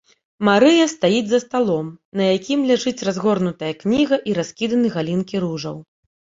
Марыя стаіць за сталом, на якім ляжыць разгорнутая кніга і раскіданы галінкі ружаў.